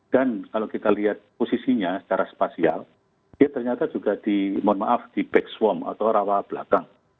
dan kalau kita lihat posisinya secara spasial ya ternyata juga di mohon maaf di back swamp atau rawa belakang